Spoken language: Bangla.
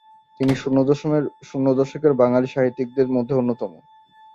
তিনি শূন্য দশকের বাঙালি সাহিত্যিকদের মধ্যে অন্যতম।